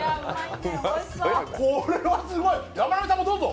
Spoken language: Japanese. これはすごい、山並さんもどうぞ！